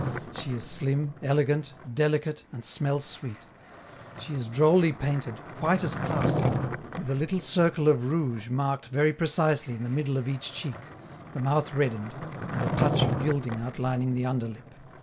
She is slim, elegant, delicate, and smells sweet; she is drolly painted, white as plaster, with a little circle of rouge marked very precisely in the middle of each cheek, the mouth reddened, and a touch of gilding outlining the under lip.